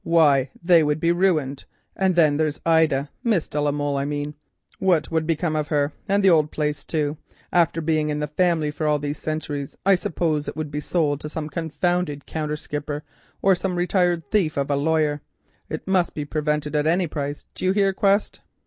Why they would be ruined! And then there's Ida—Miss de la Molle, I mean—what would become of her? And the old place too. After being in the family for all these centuries I suppose that it would be sold to some confounded counter skipper or some retired thief of a lawyer. It must be prevented at any price—do you hear, Quest?"